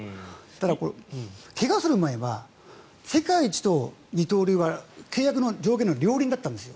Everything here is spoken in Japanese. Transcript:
ただ怪我する前は世界一と二刀流は契約の条件の両輪だったんです。